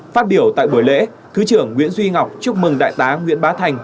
phát biểu tại buổi lễ thứ trưởng nguyễn duy ngọc chúc mừng đại tá nguyễn bá thành